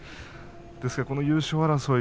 ですが、この優勝争い